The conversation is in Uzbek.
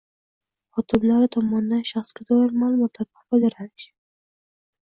xodimlari tomonidan shaxsga doir ma’lumotlardan foydalanish